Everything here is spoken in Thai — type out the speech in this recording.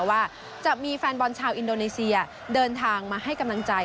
ว่าจะมีแฟนบอลชาวอินโดนีเซียเดินทางมาให้กำลังใจ